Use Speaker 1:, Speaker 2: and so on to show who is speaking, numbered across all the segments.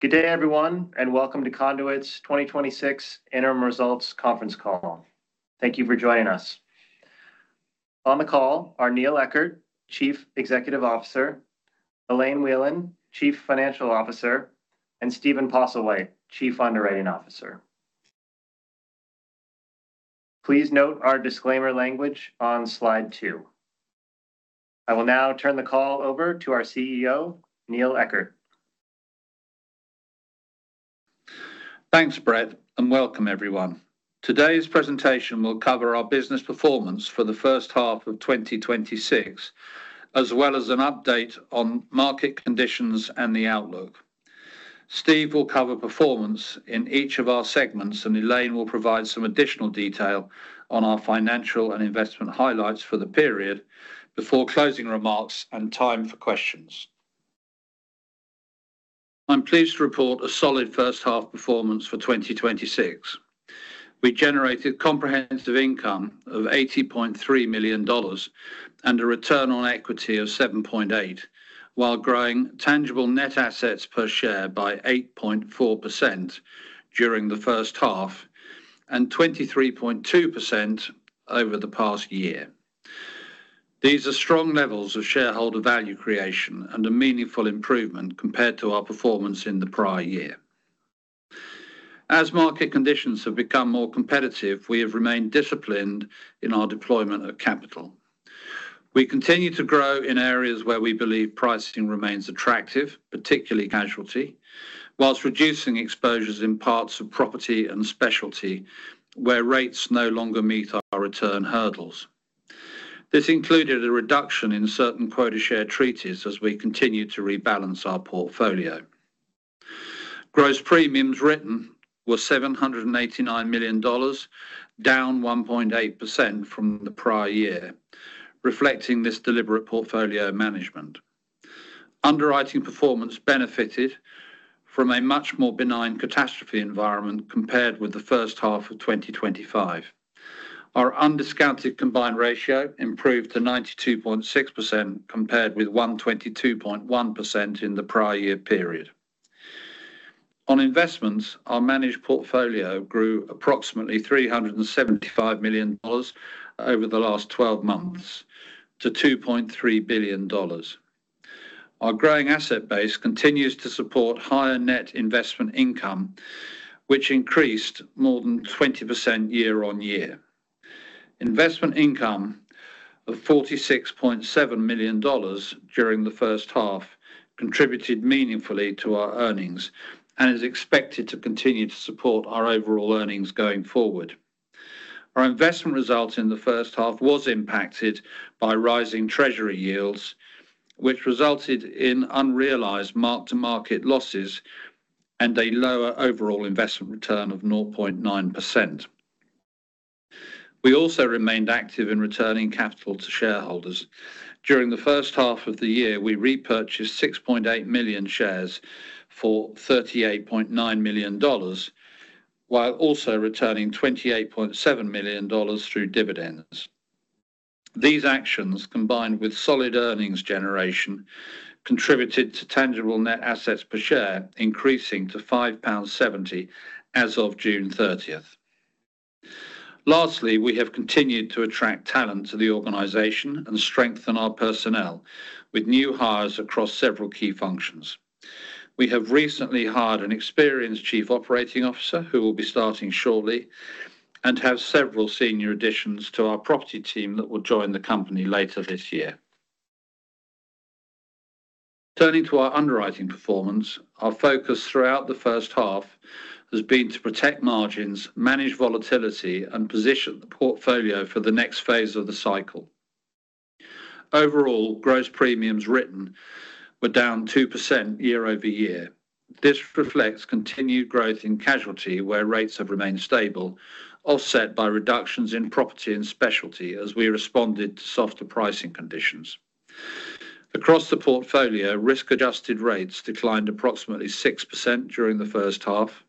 Speaker 1: Good day, everyone, and welcome to Conduit's 2026 Interim Results Conference Call. Thank you for joining us. On the call are Neil Eckert, Chief Executive Officer; Elaine Whelan, Chief Financial Officer; and Stephen Postlewhite, Chief Underwriting Officer. Please note our disclaimer language on slide two. I will now turn the call over to our Chief Executive Officer, Neil Eckert.
Speaker 2: Thanks, Brett, and welcome, everyone. Today's presentation will cover our business performance for the first half of 2026, as well as an update on market conditions and the outlook. Steve will cover performance in each of our segments, and Elaine will provide some additional detail on our financial and investment highlights for the period before closing remarks and time for questions. I am pleased to report a solid first half performance for 2026. We generated comprehensive income of $80.3 million and a return on equity of 7.8%, while growing tangible net assets per share by 8.4% during the first half and 23.2% over the past year. These are strong levels of shareholder value creation and a meaningful improvement compared to our performance in the prior year. As market conditions have become more competitive, we have remained disciplined in our deployment of capital. We continue to grow in areas where we believe pricing remains attractive, particularly casualty, whilst reducing exposures in parts of property and specialty where rates no longer meet our return hurdles. This included a reduction in certain quota share treaties as we continue to rebalance our portfolio. Gross premiums written were $789 million, down 1.8% from the prior year, reflecting this deliberate portfolio management. Underwriting performance benefited from a much more benign catastrophe environment compared with the first half of 2025. Our undiscounted combined ratio improved to 92.6%, compared with 122.1% in the prior year period. On investments, our managed portfolio grew approximately $375 million over the last 12 months to $2.3 billion. Our growing asset base continues to support higher net investment income, which increased more than 20% year-on-year. Investment income of $46.7 million during the first half contributed meaningfully to our earnings and is expected to continue to support our overall earnings going forward. Our investment results in the first half was impacted by rising treasury yields, which resulted in unrealized mark-to-market losses and a lower overall investment return of 0.9%. We also remained active in returning capital to shareholders. During the first half of the year, we repurchased 6.8 million shares for $38.9 million, while also returning $28.7 million through dividends. These actions, combined with solid earnings generation, contributed to tangible net assets per share increasing to £5.70 as of June 30th. Lastly, we have continued to attract talent to the organization and strengthen our personnel with new hires across several key functions. We have recently hired an experienced Chief Operating Officer, who will be starting shortly, and have several senior additions to our property team that will join the company later this year. Turning to our underwriting performance, our focus throughout the first half has been to protect margins, manage volatility, and position the portfolio for the next phase of the cycle. Overall, gross premiums written were down 2% year-over-year. This reflects continued growth in casualty, where rates have remained stable, offset by reductions in property and specialty as we responded to softer pricing conditions. Across the portfolio, risk-adjusted rates declined approximately 6% during the first half.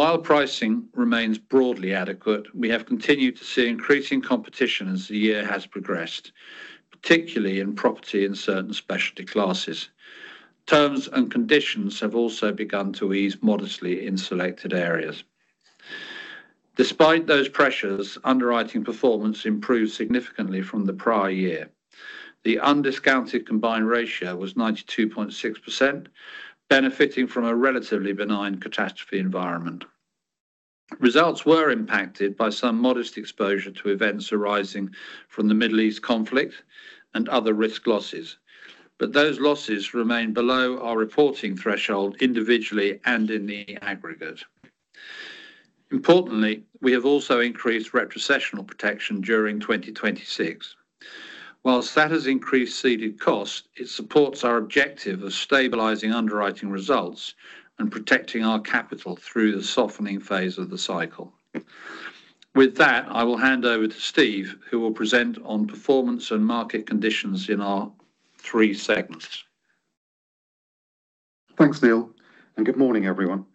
Speaker 2: While pricing remains broadly adequate, we have continued to see increasing competition as the year has progressed, particularly in property and certain specialty classes. Terms and conditions have also begun to ease modestly in selected areas. Despite those pressures, underwriting performance improved significantly from the prior year. The undiscounted combined ratio was 92.6%, benefiting from a relatively benign catastrophe environment. Results were impacted by some modest exposure to events arising from the Middle East conflict and other risk losses. Those losses remain below our reporting threshold individually and in the aggregate. Importantly, we have also increased retrocessional protection during 2026. Whilst that has increased ceded costs, it supports our objective of stabilizing underwriting results and protecting our capital through the softening phase of the cycle. With that, I will hand over to Steve, who will present on performance and market conditions in our three segments.
Speaker 3: Thanks, Neil, and good morning, everyone.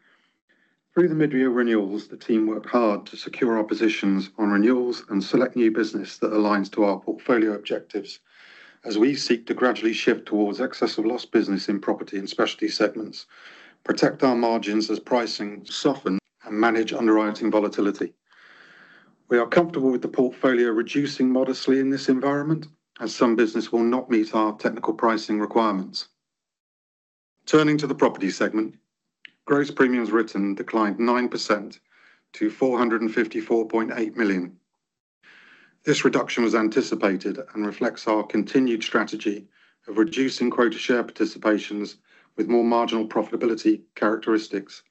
Speaker 3: Through the midyear renewals, the team worked hard to secure our positions on renewals and select new business that aligns to our portfolio objectives as we seek to gradually shift towards excess of loss business in property and specialty segments, protect our margins as pricing softens, and manage underwriting volatility. We are comfortable with the portfolio reducing modestly in this environment as some business will not meet our technical pricing requirements. Turning to the property segment, gross premiums written declined 9% to 454.8 million. This reduction was anticipated and reflects our continued strategy of reducing quota share participations with more marginal profitability characteristics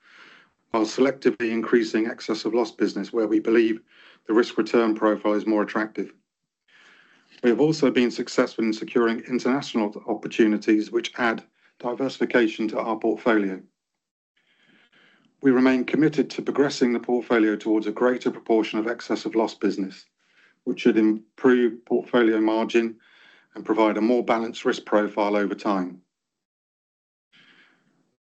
Speaker 3: while selectively increasing excess of loss business where we believe the risk return profile is more attractive. We have also been successful in securing international opportunities which add diversification to our portfolio. We remain committed to progressing the portfolio towards a greater proportion of excess of loss business, which should improve portfolio margin and provide a more balanced risk profile over time.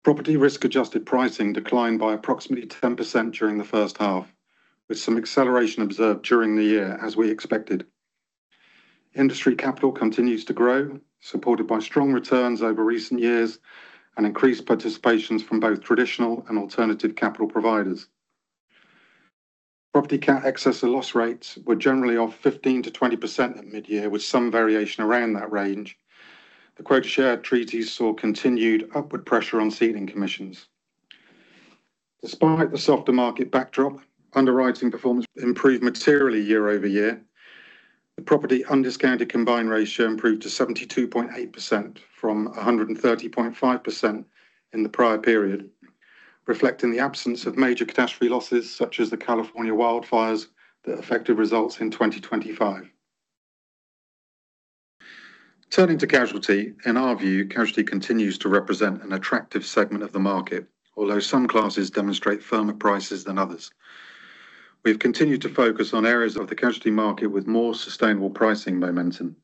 Speaker 3: Property risk adjusted pricing declined by approximately 10% during the first half, with some acceleration observed during the year as we expected. Industry capital continues to grow, supported by strong returns over recent years and increased participations from both traditional and alternative capital providers. Property cat excess of loss rates were generally off 15%-20% at midyear, with some variation around that range. The quota share treaties saw continued upward pressure on ceding commissions. Despite the softer market backdrop, underwriting performance improved materially year-over-year. The property undiscounted combined ratio improved to 72.8% from 130.5% in the prior period, reflecting the absence of major catastrophe losses such as the California wildfires that affected results in 2025. Turning to casualty. In our view, casualty continues to represent an attractive segment of the market, although some classes demonstrate firmer prices than others. We've continued to focus on areas of the casualty market with more sustainable pricing momentum.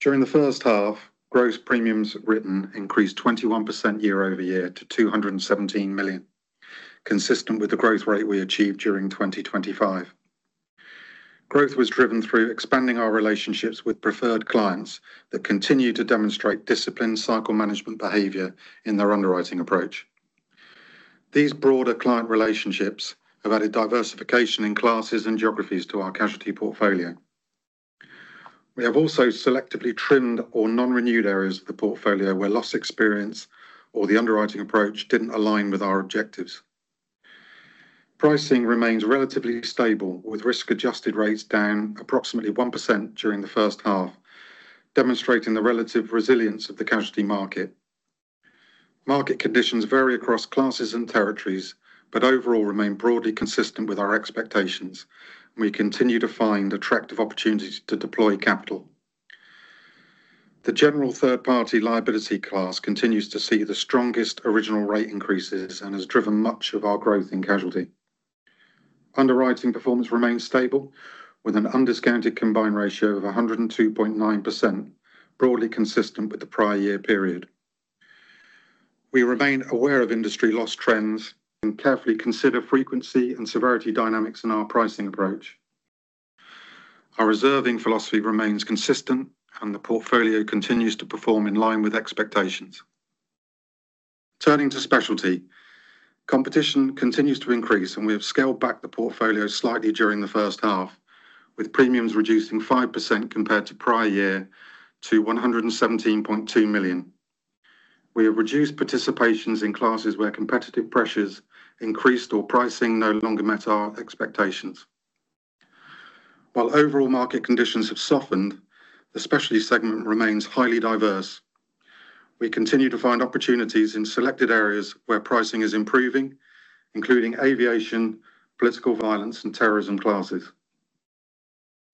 Speaker 3: During the first half, gross premiums written increased 21% year-over-year to $217 million, consistent with the growth rate we achieved during 2025. Growth was driven through expanding our relationships with preferred clients that continue to demonstrate disciplined cycle management behavior in their underwriting approach. These broader client relationships have added diversification in classes and geographies to our casualty portfolio. We have also selectively trimmed or non-renewed areas of the portfolio where loss experience or the underwriting approach didn't align with our objectives. Pricing remains relatively stable, with risk adjusted rates down approximately 1% during the first half, demonstrating the relative resilience of the casualty market. Market conditions vary across classes and territories. Overall remain broadly consistent with our expectations and we continue to find attractive opportunities to deploy capital. The general third party liability class continues to see the strongest original rate increases and has driven much of our growth in casualty. Underwriting performance remains stable, with an undiscounted combined ratio of 102.9%, broadly consistent with the prior year period. We remain aware of industry loss trends and carefully consider frequency and severity dynamics in our pricing approach. Our reserving philosophy remains consistent and the portfolio continues to perform in line with expectations. Turning to specialty. Competition continues to increase and we have scaled back the portfolio slightly during the first half, with premiums reducing 5% compared to prior year to $117.2 million. We have reduced participations in classes where competitive pressures increased or pricing no longer met our expectations. While overall market conditions have softened, the specialty segment remains highly diverse. We continue to find opportunities in selected areas where pricing is improving, including aviation, political violence and terrorism classes.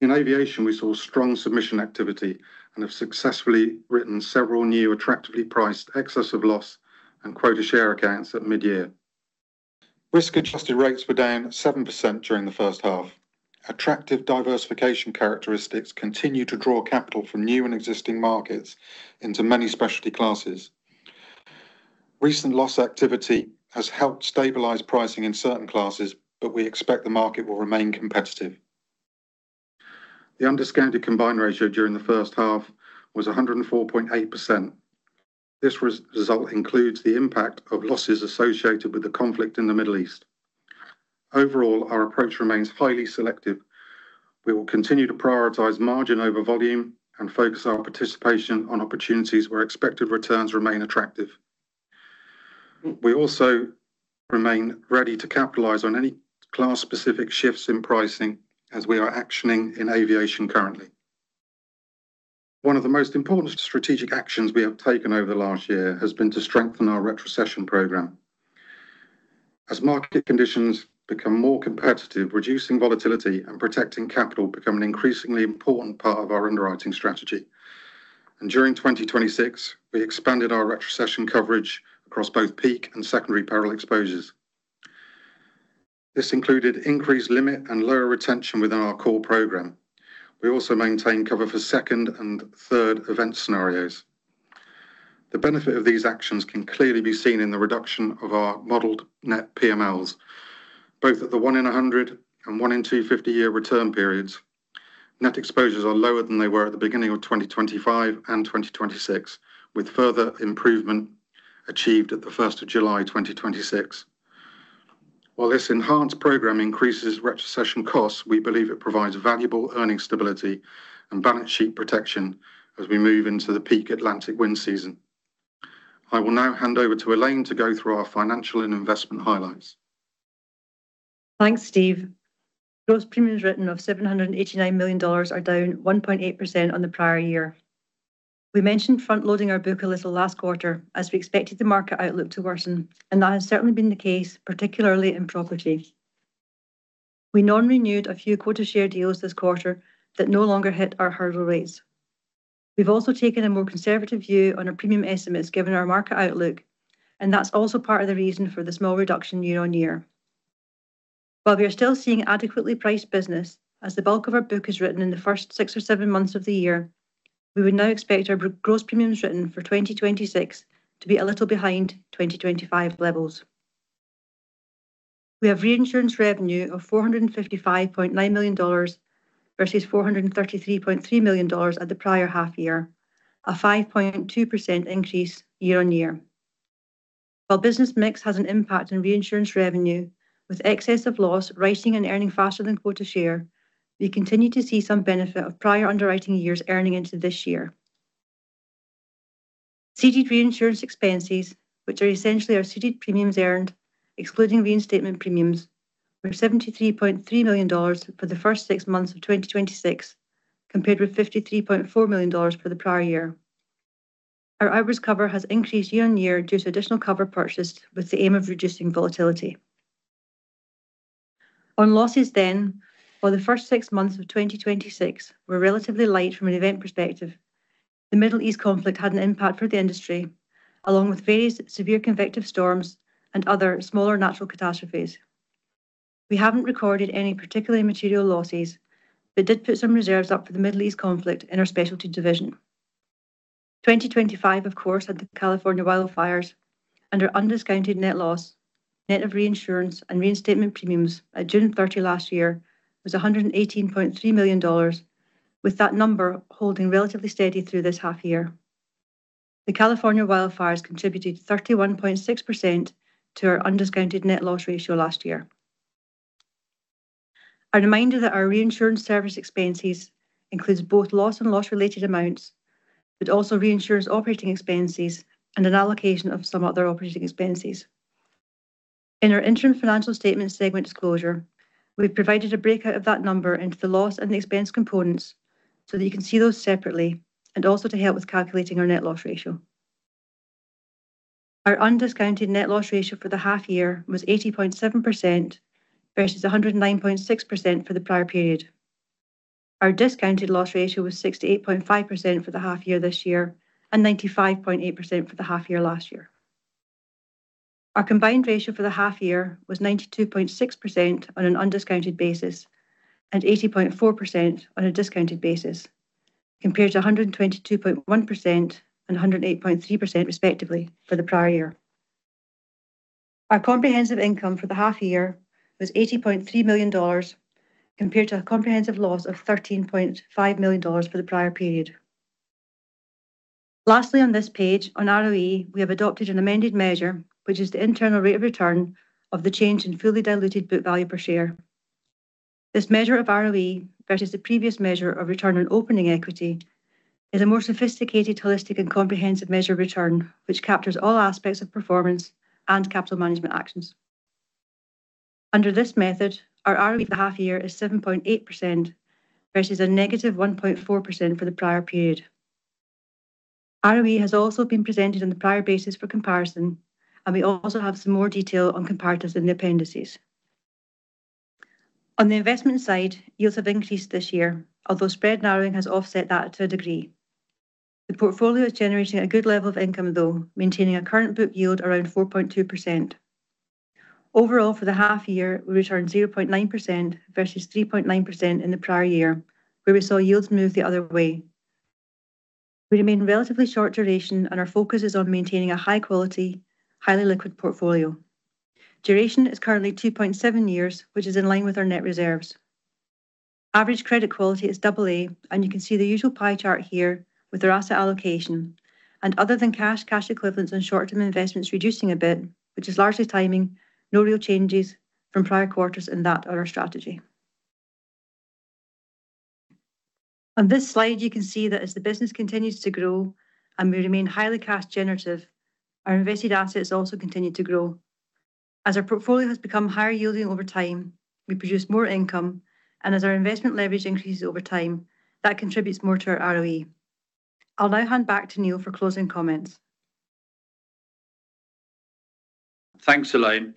Speaker 3: In aviation, we saw strong submission activity and have successfully written several new attractively priced excess of loss and quota share accounts at midyear. Risk adjusted rates were down 7% during the first half. Attractive diversification characteristics continue to draw capital from new and existing markets into many specialty classes. Recent loss activity has helped stabilize pricing in certain classes. We expect the market will remain competitive. The undiscounted combined ratio during the first half was 104.8%. This result includes the impact of losses associated with the conflict in the Middle East. Overall, our approach remains highly selective. We will continue to prioritize margin over volume and focus our participation on opportunities where expected returns remain attractive. We also remain ready to capitalize on any class specific shifts in pricing as we are actioning in aviation currently. One of the most important strategic actions we have taken over the last year has been to strengthen our retrocession program. As market conditions become more competitive, reducing volatility and protecting capital become an increasingly important part of our underwriting strategy. During 2026, we expanded our retrocession coverage across both peak and secondary peril exposures. This included increased limit and lower retention within our core program. We also maintain cover for second and third event scenarios. The benefit of these actions can clearly be seen in the reduction of our modeled net PMLs, both at the one in 100 and one in 250 year return periods. Net exposures are lower than they were at the beginning of 2025 and 2026, with further improvement achieved at the 1st of July 2026. While this enhanced program increases retrocession costs, we believe it provides valuable earning stability and balance sheet protection as we move into the peak Atlantic wind season. I will now hand over to Elaine to go through our financial and investment highlights.
Speaker 4: Thanks, Steve. Gross premiums written of $789 million are down 1.8% on the prior year. We mentioned front-loading our book a little last quarter as we expected the market outlook to worsen, that has certainly been the case, particularly in property. We non-renewed a few quota share deals this quarter that no longer hit our hurdle rates. We've also taken a more conservative view on our premium estimates given our market outlook, that's also part of the reason for the small reduction year-on-year. While we are still seeing adequately priced business, as the bulk of our book is written in the first six or seven months of the year, we would now expect our gross premiums written for 2026 to be a little behind 2025 levels. We have reinsurance revenue of $455.9 million, versus $433.3 million at the prior half year, a 5.2% increase year-on-year. While business mix has an impact on reinsurance revenue, with excess of loss, writing and earning faster than quota share, we continue to see some benefit of prior underwriting years earning into this year. Ceded reinsurance expenses, which are essentially our ceded premiums earned, excluding reinstatement premiums, were $73.3 million for the first six months of 2026, compared with $53.4 million for the prior year. Our outwards cover has increased year-on-year due to additional cover purchased with the aim of reducing volatility. On losses, while the first six months of 2026 were relatively light from an event perspective, the Middle East conflict had an impact for the industry, along with various severe convective storms and other smaller natural catastrophes. We haven't recorded any particularly material losses, did put some reserves up for the Middle East conflict in our specialty division. 2025, of course, had the California wildfires our undiscounted net loss, net of reinsurance and reinstatement premiums at June 30 last year was $118.3 million, with that number holding relatively steady through this half year. The California wildfires contributed 31.6% to our undiscounted net loss ratio last year. A reminder that our reinsurance service expenses includes both loss and loss related amounts, but also reinsurers operating expenses and an allocation of some other operating expenses. In our interim financial statement segment disclosure, we've provided a breakout of that number into the loss and expense components so that you can see those separately and also to help with calculating our net loss ratio. Our undiscounted net loss ratio for the half year was 80.7%, versus 109.6% for the prior period. Our discounted loss ratio was 68.5% for the half year this year and 95.8% for the half year last year. Our combined ratio for the half year was 92.6% on an undiscounted basis and 80.4% on a discounted basis, compared to 122.1% and 108.3% respectively for the prior year. Our comprehensive income for the half year was $80.3 million, compared to a comprehensive loss of $13.5 million for the prior period. Lastly on this page, on ROE, we have adopted an amended measure which is the internal rate of return of the change in fully diluted book value per share. This measure of ROE versus the previous measure of return on opening equity is a more sophisticated, holistic and comprehensive measure of return, which captures all aspects of performance and capital management actions. Under this method, our ROE for the half year is 7.8%, versus a negative 1.4% for the prior period. ROE has also been presented on the prior basis for comparison and we also have some more detail on comparatives in the appendices. On the investment side, yields have increased this year, although spread narrowing has offset that to a degree. The portfolio is generating a good level of income though, maintaining a current book yield around 4.2%. Overall, for the half year, we returned 0.9% versus 3.9% in the prior year where we saw yields move the other way. We remain relatively short duration and our focus is on maintaining a high quality, highly liquid portfolio. Duration is currently 2.7 years, which is in line with our net reserves. Average credit quality is AA and you can see the usual pie chart here with our asset allocation and other than cash equivalents and short-term investments reducing a bit, which is largely timing, no real changes from prior quarters in that or our strategy. On this slide you can see that as the business continues to grow and we remain highly cash generative, our invested assets also continue to grow. As our portfolio has become higher yielding over time, we produce more income and as our investment leverage increases over time, that contributes more to our ROE. I'll now hand back to Neil for closing comments.
Speaker 2: Thanks, Elaine.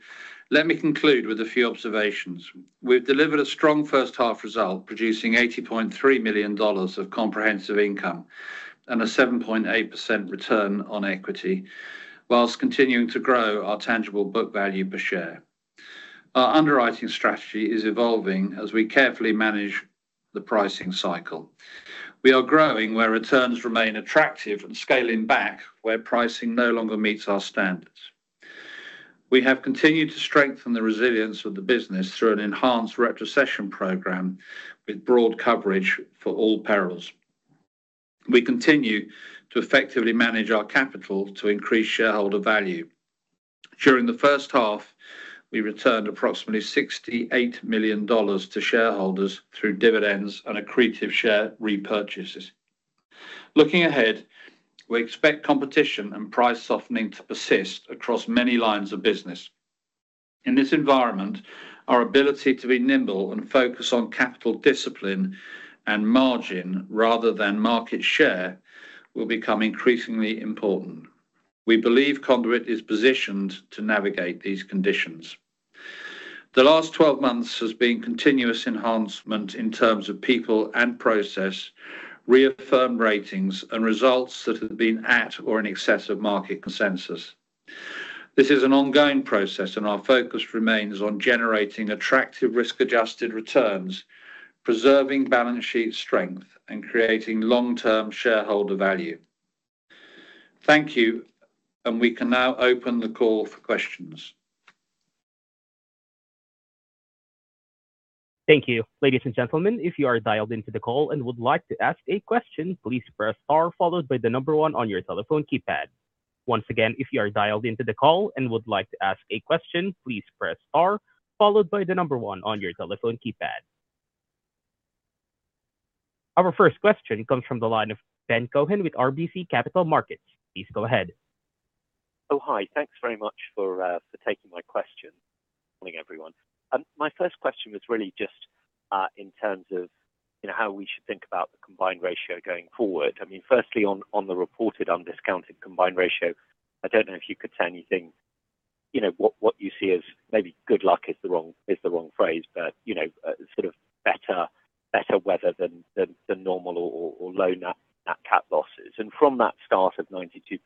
Speaker 2: Let me conclude with a few observations. We've delivered a strong first half result producing $80.3 million of comprehensive income and a 7.8% return on equity while continuing to grow our tangible book value per share. Our underwriting strategy is evolving as we carefully manage the pricing cycle. We are growing where returns remain attractive and scaling back where pricing no longer meets our standards. We have continued to strengthen the resilience of the business through an enhanced retrocession program with broad coverage for all perils. We continue to effectively manage our capital to increase shareholder value. During the first half, we returned approximately $68 million to shareholders through dividends and accretive share repurchases. Looking ahead, we expect competition and price softening to persist across many lines of business. In this environment, our ability to be nimble and focus on capital discipline and margin rather than market share will become increasingly important. We believe Conduit is positioned to navigate these conditions. The last 12 months has been continuous enhancement in terms of people and process, reaffirmed ratings and results that have been at or in excess of market consensus. This is an ongoing process and our focus remains on generating attractive risk-adjusted returns, preserving balance sheet strength, and creating long-term shareholder value. Thank you, we can now open the call for questions.
Speaker 1: Thank you. Ladies and gentlemen, if you are dialed into the call and would like to ask a question, please press star, followed by one on your telephone keypad. Once again, if you are dialed into the call and would like to ask a question, please press star followed by one on your telephone keypad. Our first question comes from the line of Ben Cohen with RBC Capital Markets. Please go ahead.
Speaker 5: Hi. Thanks very much for taking my question. Morning, everyone. My first question was really just in terms of how we should think about the combined ratio going forward. Firstly, on the reported undiscounted combined ratio, I don't know if you could say anything, what you see as maybe good luck is the wrong phrase, but sort of better weather than normal or lower net cut losses. From that start of 92.6,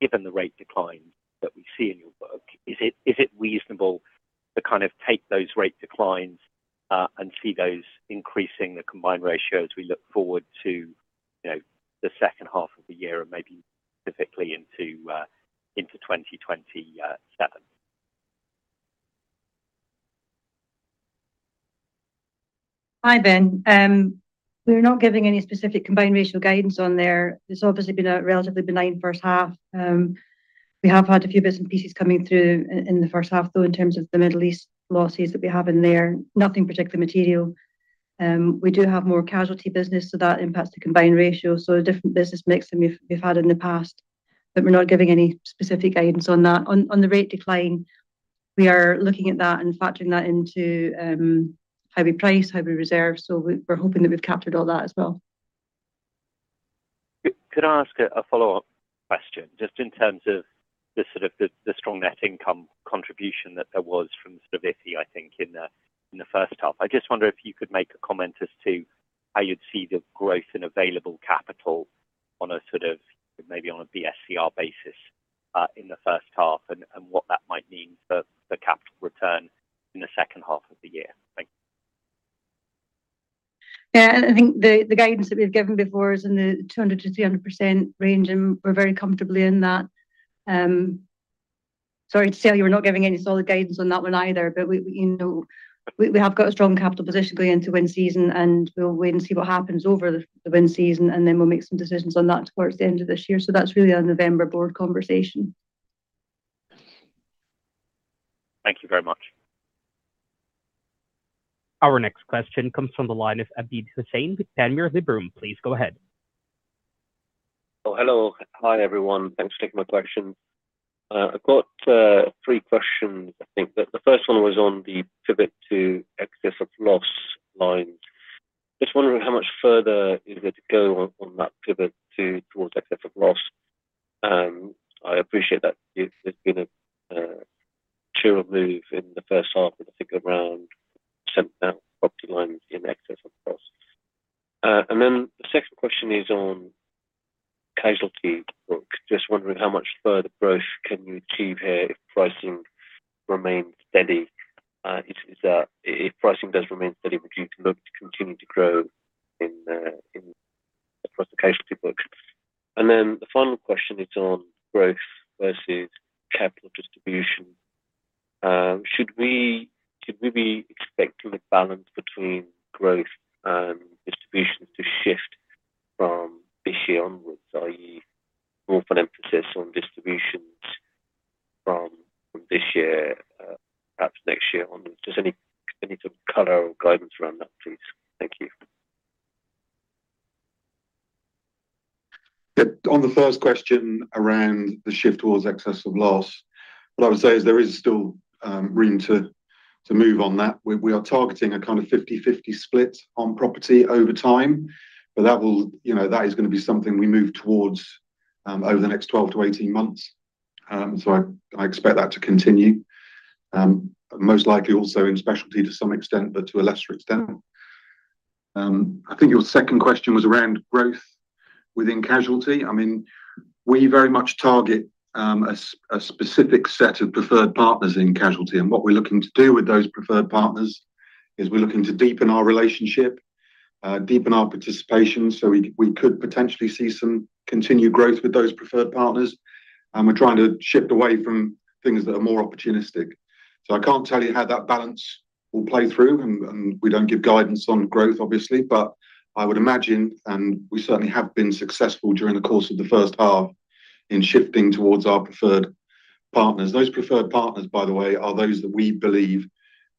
Speaker 5: given the rate declines that we see in your book, is it reasonable to take those rate declines and see those increasing the combined ratio as we look forward to the second half of the year and maybe specifically into 2027?
Speaker 4: Hi, Ben. We're not giving any specific combined ratio guidance on there. It's obviously been a relatively benign first half. We have had a few bits and pieces coming through in the first half, though, in terms of the Middle East losses that we have in there, nothing particularly material. We do have more casualty business, so that impacts the combined ratio. A different business mix than we've had in the past. We're not giving any specific guidance on that. On the rate decline, we are looking at that and factoring that into how we price, how we reserve. We're hoping that we've captured all that as well.
Speaker 5: Could I ask a follow-up question just in terms of the strong net income contribution that there was from sort of, I think, in the first half? I just wonder if you could make a comment as to how you'd see the growth in available capital on a sort of maybe on a BSCR basis in the first half and what that might mean for the capital return in the second half of the year. Thanks.
Speaker 4: Yeah, I think the guidance that we've given before is in the 200%-300% range, we're very comfortably in that. Sorry to tell you we're not giving any solid guidance on that one either. We have got a strong capital position going into wind season, we'll wait and see what happens over the wind season, then we'll make some decisions on that towards the end of this year. That's really a November board conversation.
Speaker 5: Thank you very much.
Speaker 1: Our next question comes from the line of Abid Hussain with Panmure Liberum. Please go ahead.
Speaker 6: Hello. Hi, everyone. Thanks for taking my question. I've got three questions, I think. The first one was on the pivot to excess of loss lines. Just wondering how much further you're going to go on that pivot towards excess of loss. I appreciate that there's been a material move in the first half and I think around. The second question is on casualty book. Just wondering how much further growth can you achieve here if pricing remains steady. If pricing does remain steady, would you look to continue to grow across the casualty books? The final question is on growth versus capital distribution. Should we be expecting the balance between growth and distribution to shift from this year onwards, i.e. more of an emphasis on distributions from this year, perhaps next year onwards? Just any sort of color or guidance around that, please. Thank you.
Speaker 3: On the first question around the shift towards excess of loss, what I would say is there is still room to move on that. We are targeting a kind of 50/50 split on property over time. That is going to be something we move towards over the next 12 to 18 months. I expect that to continue. Most likely also in specialty to some extent, but to a lesser extent. I think your second question was around growth within casualty. We very much target a specific set of preferred partners in casualty. What we're looking to do with those preferred partners is we're looking to deepen our relationship, deepen our participation, so we could potentially see some continued growth with those preferred partners. We're trying to shift away from things that are more opportunistic. I can't tell you how that balance will play through, and we don't give guidance on growth, obviously, but I would imagine, and we certainly have been successful during the course of the first half in shifting towards our preferred partners. Those preferred partners, by the way, are those that we believe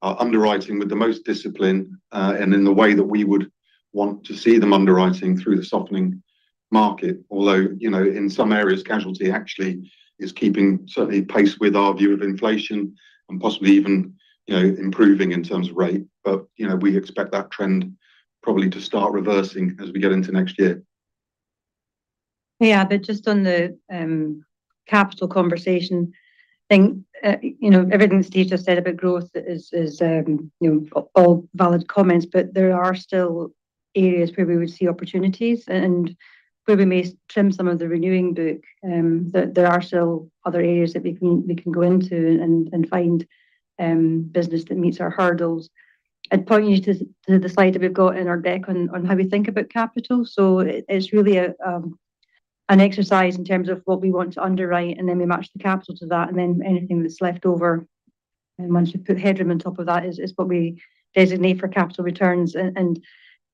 Speaker 3: are underwriting with the most discipline, and in the way that we would want to see them underwriting through the softening market. Although, in some areas, casualty actually is keeping certainly pace with our view of inflation and possibly even improving in terms of rate. We expect that trend probably to start reversing as we get into next year.
Speaker 4: Just on the capital conversation thing. Everything that Steve just said about growth is all valid comments, but there are still areas where we would see opportunities and where we may trim some of the renewing book. There are still other areas that we can go into and find business that meets our hurdles. I'd point you to the slide that we've got in our deck on how we think about capital. It is really an exercise in terms of what we want to underwrite, and then we match the capital to that, and then anything that's left over, and once you put headroom on top of that, is what we designate for capital returns.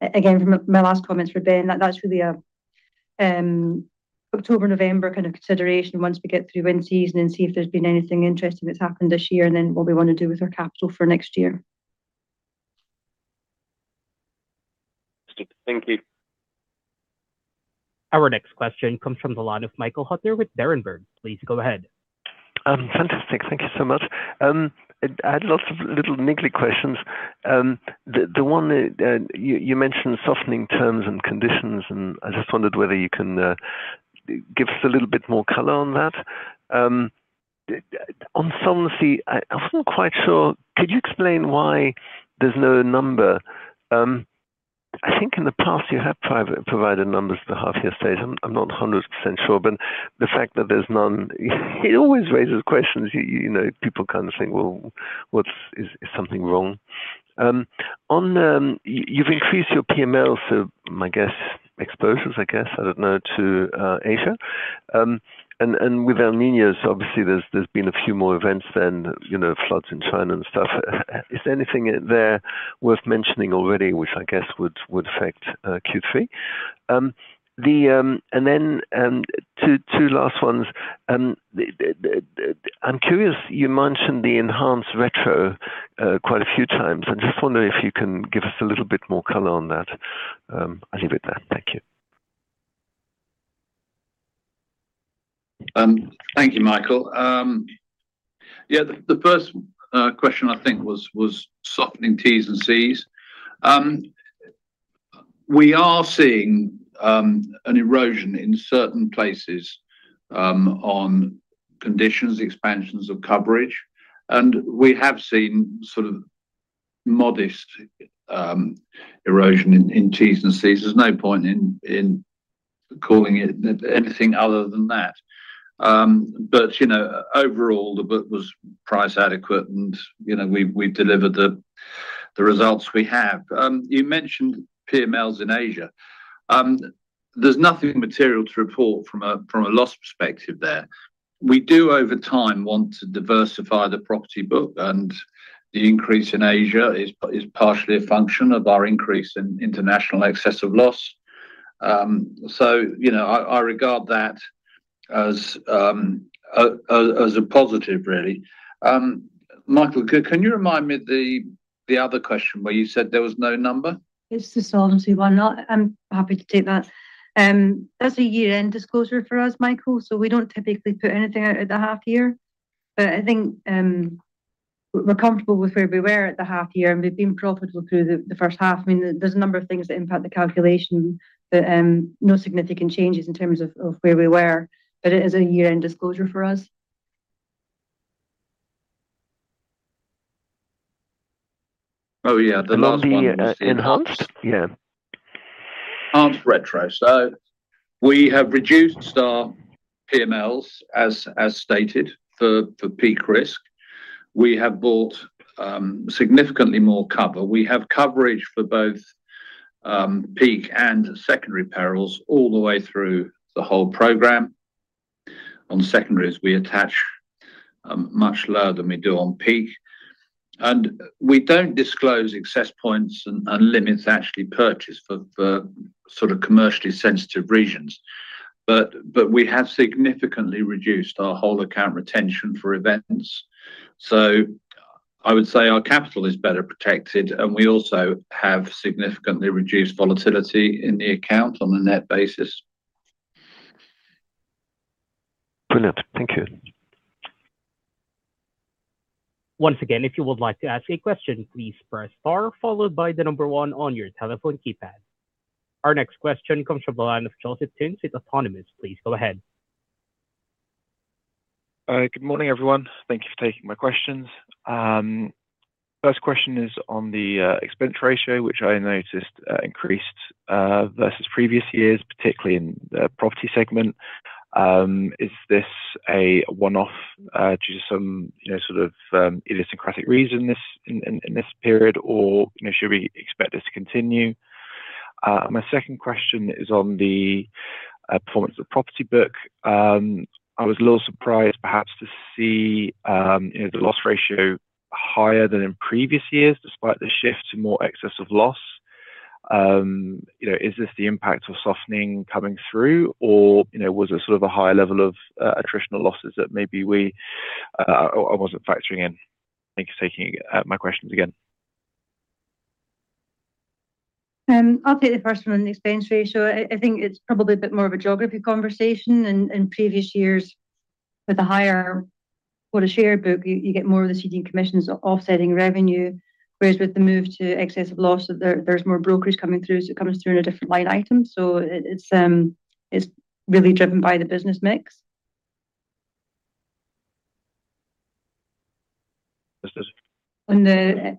Speaker 4: Again, from my last comments for Ben, that's really a October, November kind of consideration once we get through in season and see if there's been anything interesting that's happened this year and then what we want to do with our capital for next year.
Speaker 6: Super. Thank you.
Speaker 1: Our next question comes from the line of Michael Huttner with Berenberg. Please go ahead.
Speaker 7: Fantastic. Thank you so much. I had lots of little niggly questions. The one that you mentioned softening terms and conditions. I just wondered whether you can give us a little bit more color on that. On solvency, I wasn't quite sure. Could you explain why there's no number? I think in the past you have provided numbers at the half year stage. I'm not 100% sure. The fact that there's none it always raises questions. People kind of think, "Well, is something wrong?" You've increased your PML. My guess exposures, I guess, I don't know, to Asia. With El Niño, obviously there's been a few more events than floods in China and stuff. Is there anything in there worth mentioning already, which I guess would affect Q3? Then two last ones. I'm curious, you mentioned the enhanced retro quite a few times. I just wonder if you can give us a little bit more color on that. I'll leave it there. Thank you.
Speaker 2: Thank you, Michael. The first question I think was softening Ts and Cs. We are seeing an erosion in certain places on conditions, expansions of coverage, and we have seen sort of modest erosion in Ts and Cs. There's no point in calling it anything other than that. Overall, the book was price adequate, and we've delivered the results we have. You mentioned PMLs in Asia. There's nothing material to report from a loss perspective there. We do, over time, want to diversify the property book, and the increase in Asia is partially a function of our increase in international excess of loss. I regard that as a positive, really. Michael, can you remind me the other question where you said there was no number?
Speaker 4: It's the solvency one. I'm happy to take that. That's a year-end disclosure for us, Michael. We don't typically put anything out at the half year. I think we're comfortable with where we were at the half year, and we've been profitable through the first half. There's a number of things that impact the calculation, but no significant changes in terms of where we were. It is a year-end disclosure for us.
Speaker 2: Yeah.
Speaker 7: Yeah.
Speaker 2: Enhanced retro. We have reduced our PMLs, as stated, for peak risk. We have bought significantly more cover. We have coverage for both peak and secondary perils all the way through the whole program. On secondaries, we attach much lower than we do on peak. We don't disclose excess points and limits actually purchased for sort of commercially sensitive reasons. We have significantly reduced our whole account retention for events. I would say our capital is better protected, and we also have significantly reduced volatility in the account on a net basis.
Speaker 7: Brilliant. Thank you.
Speaker 1: Once again, if you would like to ask a question, please press star followed by the number one on your telephone keypad. Our next question comes from the line of Joseph Theuns with Autonomous. Please go ahead.
Speaker 8: Good morning, everyone. Thank you for taking my questions. First question is on the expense ratio, which I noticed increased versus previous years, particularly in the property segment. Is this a one-off due to some sort of idiosyncratic reason in this period, or should we expect this to continue? My second question is on the performance of the property book. I was a little surprised, perhaps, to see the loss ratio higher than in previous years, despite the shift to more excess of loss. Is this the impact of softening coming through, or was it sort of a higher level of attritional losses that maybe I wasn't factoring in? Thank you for taking my questions again.
Speaker 4: I'll take the first one on the expense ratio. I think it's probably a bit more of a geography conversation. In previous years, with a higher quota share book, you get more of the ceding commissions offsetting revenue. Whereas with the move to excess of loss, there's more brokerage coming through, so it comes through in a different line item. It's really driven by the business mix.
Speaker 8: This is-
Speaker 4: On the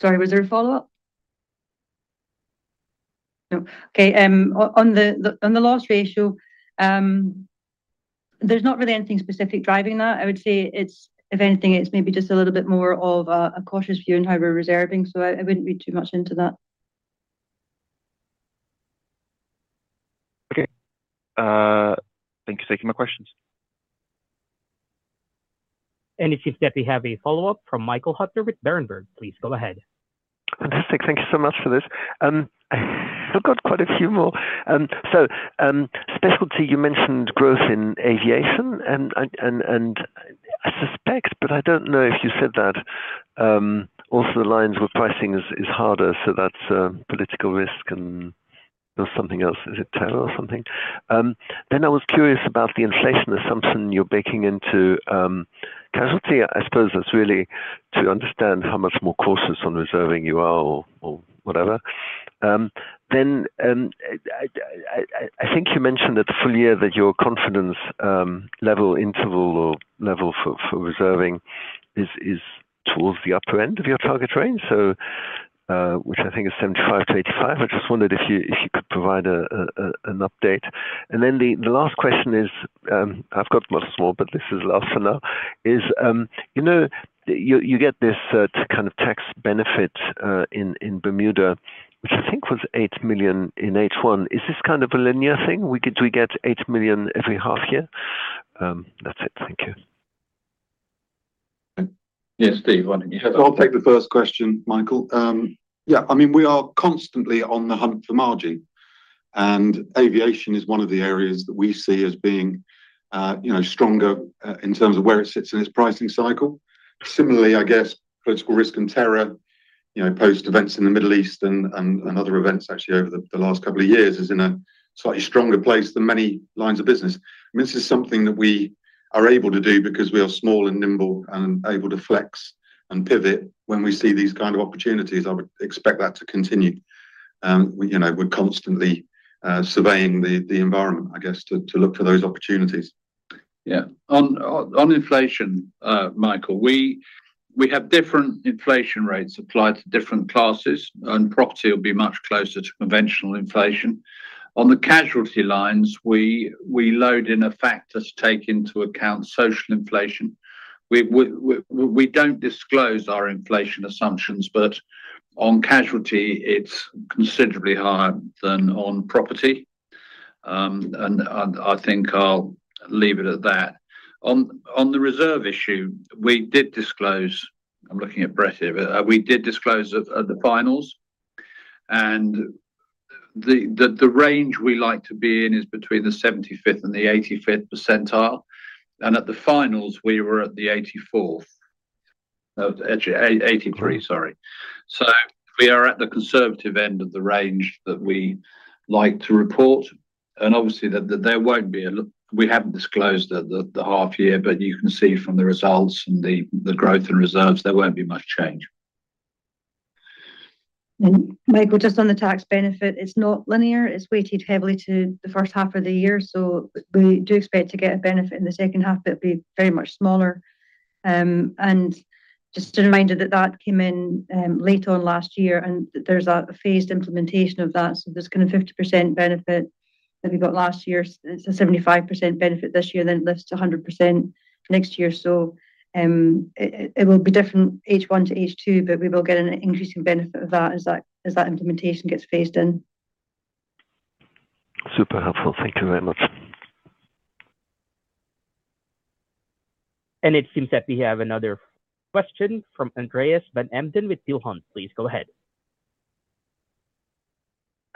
Speaker 4: Sorry, was there a follow-up? No. Okay. On the loss ratio, there's not really anything specific driving that. I would say if anything, it's maybe just a little bit more of a cautious view on how we're reserving. I wouldn't read too much into that.
Speaker 8: Okay. Thank you for taking my questions.
Speaker 1: It seems that we have a follow-up from Michael Huttner with Berenberg. Please go ahead.
Speaker 7: Fantastic. Thank you so much for this. I've got quite a few more. Specialty, you mentioned growth in aviation, and I suspect, but I don't know if you said that, also the lines where pricing is harder, that's political violence and there's something else. Is it terror or something? I was curious about the inflation assumption you're baking into casualty. I suppose that's really to understand how much more cautious on reserving you are or whatever. I think you mentioned at the full year that your confidence level interval or level for reserving is towards the upper end of your target range. Which I think is 75%-85%. I just wondered if you could provide an update. The last question is, I've got lots more, but this is the last for now, you get this kind of tax benefit in Bermuda, which I think was $8 million in H1. Is this kind of a linear thing? Do we get $8 million every half year? That's it. Thank you.
Speaker 2: Yes, Steve, why don't you have that?
Speaker 3: I'll take the first question, Michael. Yeah, we are constantly on the hunt for margin, and aviation is one of the areas that we see as being stronger in terms of where it sits in its pricing cycle. Similarly, I guess political risk and terror, post events in the Middle East and other events actually over the last couple of years, is in a slightly stronger place than many lines of business. This is something that we are able to do because we are small and nimble and able to flex and pivot when we see these kind of opportunities. I would expect that to continue. We're constantly surveying the environment, I guess, to look for those opportunities.
Speaker 2: Yeah. On inflation, Michael, we have different inflation rates applied to different classes, and property will be much closer to conventional inflation. On the casualty lines, we load in a factor to take into account social inflation. We don't disclose our inflation assumptions, but on casualty, it's considerably higher than on property. I think I'll leave it at that. On the reserve issue, we did disclose, I'm looking at Brett here, but we did disclose at the finals. The range we like to be in is between the 75th and the 85th percentile. At the finals, we were at the 84th. 83, sorry. We are at the conservative end of the range that we like to report, and obviously, we haven't disclosed at the half year, but you can see from the results and the growth in reserves, there won't be much change.
Speaker 4: Michael, just on the tax benefit, it's not linear. It's weighted heavily to the first half of the year. We do expect to get a benefit in the second half, but it'll be very much smaller. Just a reminder that that came in late on last year, and there's a phased implementation of that. There's kind of 50% benefit that we got last year. It's a 75% benefit this year, then it lifts to 100% next year. It will be different H1 to H2, but we will get an increasing benefit of that as that implementation gets phased in.
Speaker 7: Super helpful. Thank you very much.
Speaker 1: It seems that we have another question from Andreas van Embden with Peel Hunt. Please go ahead.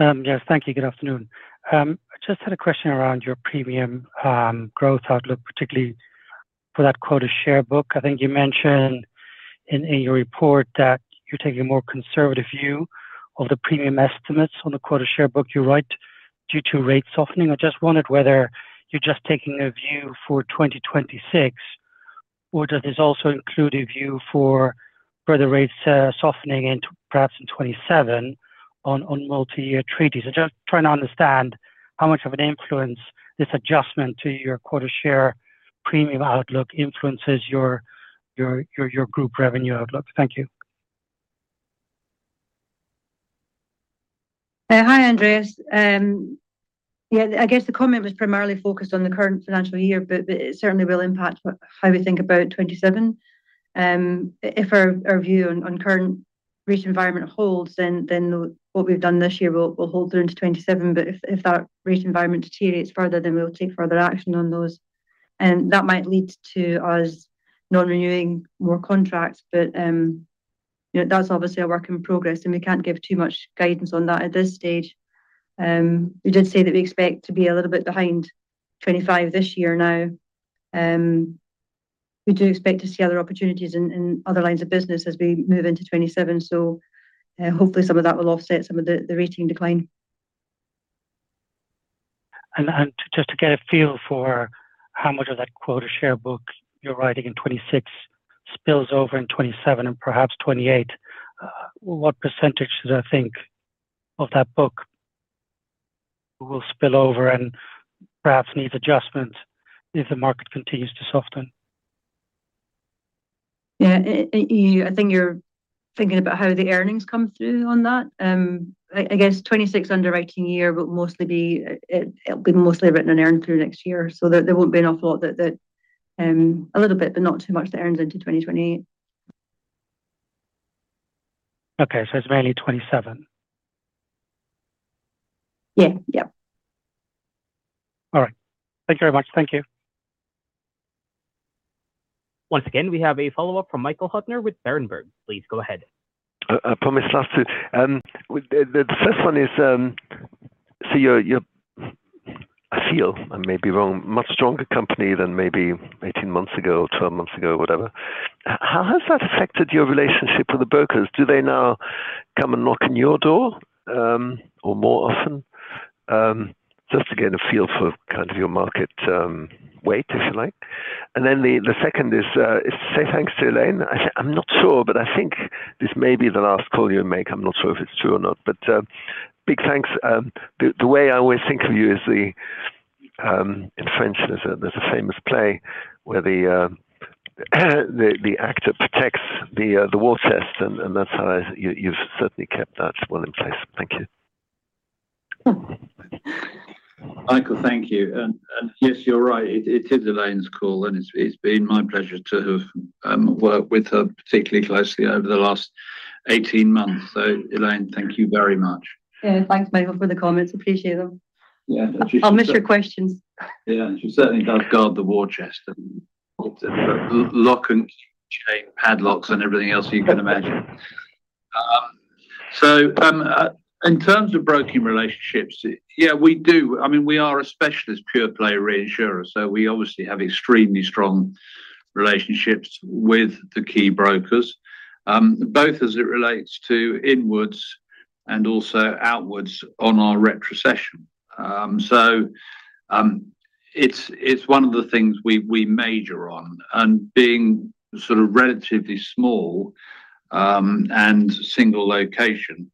Speaker 9: Yes, thank you. Good afternoon. I just had a question around your premium growth outlook, particularly for that quota share book. I think you mentioned in your report that you're taking a more conservative view of the premium estimates on the quota share book you write due to rate softening. I just wondered whether you're just taking a view for 2026. Does this also include a view for further rates softening perhaps in 2027 on multi-year treaties? I'm just trying to understand how much of an influence this adjustment to your quota share premium outlook influences your group revenue outlook. Thank you.
Speaker 4: Hi, Andreas. Yeah, I guess the comment was primarily focused on the current financial year, but it certainly will impact how we think about 2027. If our view on current rate environment holds, what we've done this year will hold through into 2027. If that rate environment deteriorates further, we'll take further action on those. That might lead to us not renewing more contracts. That's obviously a work in progress, and we can't give too much guidance on that at this stage. We did say that we expect to be a little bit behind 2025 this year now. We do expect to see other opportunities in other lines of business as we move into 2027. Hopefully, some of that will offset some of the rating decline.
Speaker 9: Just to get a feel for how much of that quota share book you're writing in 2026 spills over in 2027 and perhaps 2028, what percentage should I think of that book will spill over and perhaps needs adjustment if the market continues to soften?
Speaker 4: Yeah. I think you're thinking about how the earnings come through on that. I guess 2026 underwriting year, it'll be mostly written and earned through next year. There won't be an awful lot that a little bit, but not too much that earns into 2028.
Speaker 9: Okay. It's mainly 2027.
Speaker 4: Yeah.
Speaker 9: All right. Thank you very much. Thank you.
Speaker 1: Once again, we have a follow-up from Michael Huttner with Berenberg. Please go ahead.
Speaker 7: I promised last too. The first one is, you're, I feel, I may be wrong, much stronger company than maybe 18 months ago or 12 months ago, or whatever. How has that affected your relationship with the brokers? Do they now come and knock on your door, or more often? Just to get a feel for kind of your market weight, if you like. The second is to say thanks to Elaine. I'm not sure, I think this may be the last call you make. I'm not sure if it's true or not, big thanks. The way I always think of you is the, in French, there's a famous play where the actor protects the war chest, and that's how you've certainly kept that well in place. Thank you.
Speaker 2: Michael, thank you. Yes, you're right. It is Elaine's call, and it's been my pleasure to have worked with her particularly closely over the last 18 months. Elaine, thank you very much.
Speaker 4: Thanks, Michael, for the comments. Appreciate them.
Speaker 2: Yeah.
Speaker 4: I'll miss your questions.
Speaker 2: Yeah. She certainly does guard the war chest and lock and chain, padlocks, and everything else you can imagine. In terms of broking relationships, yeah, we do. We are a specialist pure play reinsurer, we obviously have extremely strong relationships with the key brokers, both as it relates to inwards and also outwards on our retrocession. It's one of the things we major on. Being sort of relatively small and single location,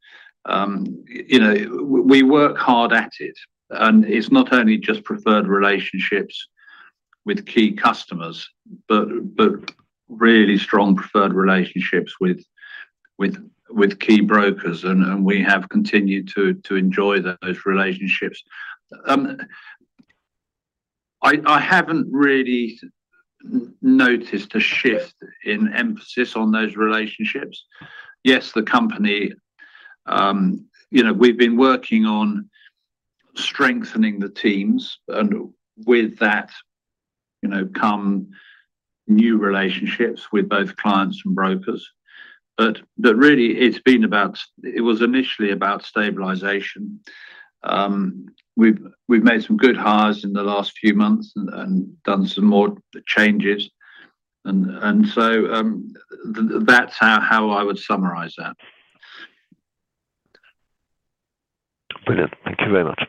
Speaker 2: we work hard at it, and it's not only just preferred relationships with key customers, but really strong preferred relationships with key brokers. We have continued to enjoy those relationships. I haven't really noticed a shift in emphasis on those relationships. Yes, the company, we've been working on strengthening the teams and with that come new relationships with both clients and brokers. Really, it was initially about stabilization. We've made some good hires in the last few months and done some more changes. That's how I would summarize that.
Speaker 7: Brilliant. Thank you very much.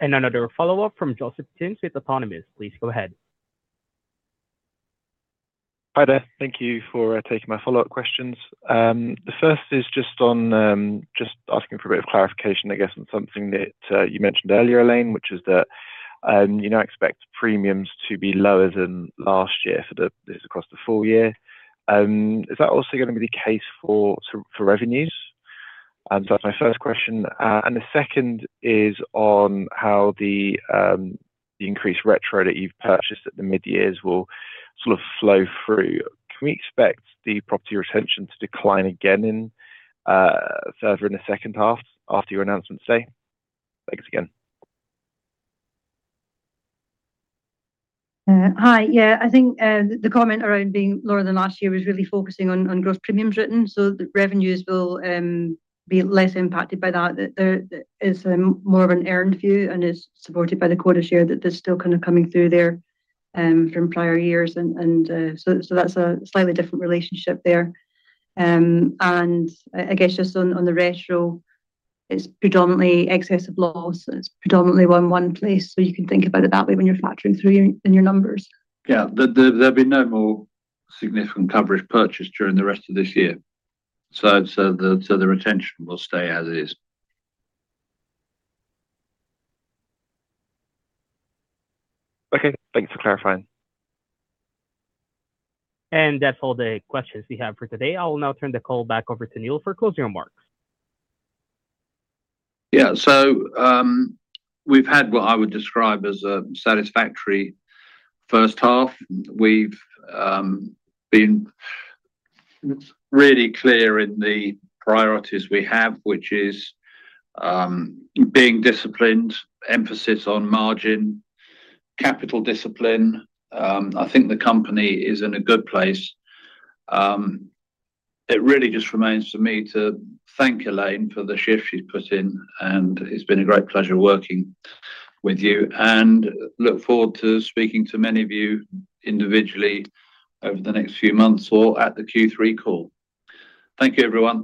Speaker 1: Another follow-up from Joseph Theuns with Autonomous. Please go ahead.
Speaker 8: Hi there. Thank you for taking my follow-up questions. The first is just asking for a bit of clarification, I guess, on something that you mentioned earlier, Elaine, which is that you now expect premiums to be lower than last year. That is across the full year. Is that also going to be the case for revenues? That's my first question. The second is on how the increased retro that you've purchased at the midyears will sort of flow through. Can we expect the property retention to decline again further in the second half after your announcement, say? Thanks again.
Speaker 4: Hi. Yeah. I think the comment around being lower than last year was really focusing on gross premiums written. The revenues will be less impacted by that. That is more of an earned view and is supported by the quota share that is still kind of coming through there from prior years. That's a slightly different relationship there. I guess just on the retro, it's predominantly excess of loss. It's predominantly one place. You can think about it that way when you're factoring through in your numbers.
Speaker 2: Yeah. There'll be no more significant coverage purchase during the rest of this year. The retention will stay as is.
Speaker 8: Okay. Thank you for clarifying.
Speaker 1: That's all the questions we have for today. I will now turn the call back over to Neil for closing remarks.
Speaker 2: Yeah. We've had what I would describe as a satisfactory first half. We've been really clear in the priorities we have, which is being disciplined, emphasis on margin, capital discipline. I think the company is in a good place. It really just remains for me to thank Elaine for the shift she's put in, and it's been a great pleasure working with you. Look forward to speaking to many of you individually over the next few months or at the Q3 call. Thank you, everyone.